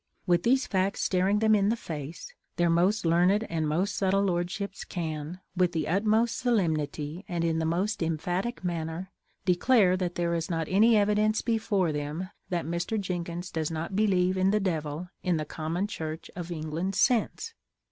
With these facts staring them in the face, their most learned and most subtle lordships can, with the utmost solemnity, and in the most emphatic manner, declare that there is not any evidence before them that Mr. Jenkins does not believe in the Devil in the common Church of England sense!